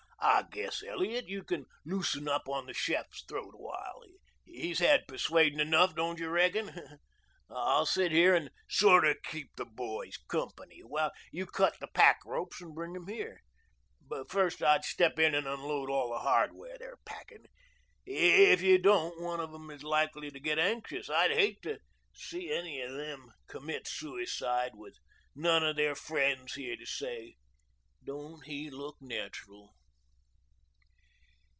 "I guess, Elliot, you can loosen up on the chef's throat awhile. He's had persuading enough, don't you reckon? I'll sit here and sorter keep the boys company while you cut the pack ropes and bring 'em here. But first I'd step in and unload all the hardware they're packing. If you don't one of them is likely to get anxious. I'd hate to see any of them commit suicide with none of their friends here to say, 'Don't he look natural?'"